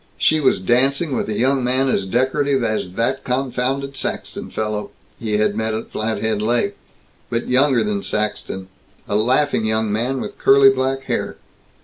She was dancing with a young man as decorative as "that confounded Saxton fellow" he had met at Flathead Lake, but younger than Saxton, a laughing young man, with curly black hair.